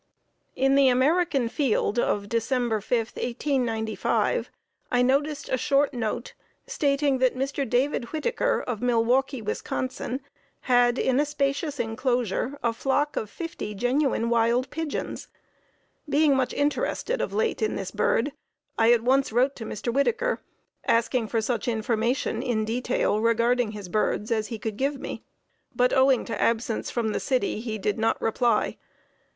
In the American Field of December 5, 1895, I noticed a short note, stating that Mr. David Whittaker of Milwaukee, Wis., had in a spacious inclosure a flock of fifty genuine wild pigeons. Being much interested of late in this bird, I at once wrote to Mr. Whittaker, asking for such information in detail regarding his birds as he could give me, but, owing to absence from the city, he did not reply.